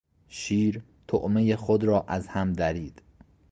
شیر طعمهی خود را از هم درید.